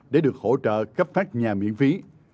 để được hỗ trợ cấp phát nhà miễn phí